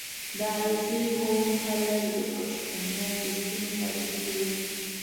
• د علیزي قوم خلک د پښتني ارزښتونو ساتونکي دي.